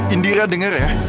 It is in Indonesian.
indira denger ya